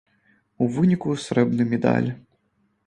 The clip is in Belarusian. У выніку срэбны медаль.